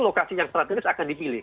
lokasi yang strategis akan dipilih